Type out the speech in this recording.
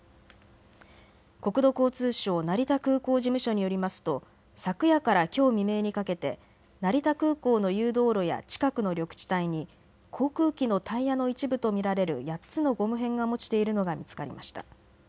国土交通省成田空港事務所によりますと昨夜からきょう未明にかけて成田空港の誘導路や近くの緑地帯に航空機のタイヤの一部と見られる８つのゴム片が落ちているのが見つかりました。